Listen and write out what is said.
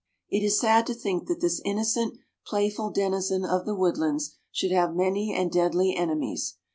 It is sad to think that this innocent, playful denizen of the woodlands should have many and deadly enemies.